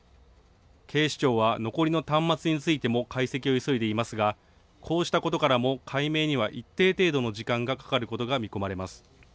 警視庁は、残りの端末についても解析を急いでいますが、こうしたことからも、解明には一定程度の時間がかかることが見込まれます。